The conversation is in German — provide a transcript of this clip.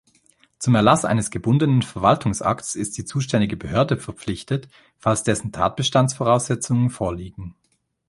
Zum Erlass eines gebundenen Verwaltungsakts ist die zuständige Behörde verpflichtet, falls dessen Tatbestandsvoraussetzungen vorliegen.